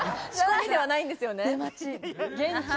仕込みではないんですよね？